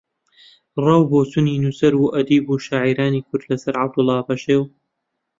ڕاو بۆچوونی نووسەر و ئەدیب و شاعیرانی کورد لە سەر عەبدوڵڵا پەشێو